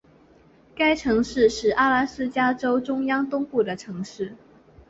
该城市是阿拉斯加州中央东部的城市。